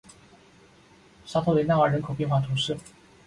沙托雷纳尔人口变化图示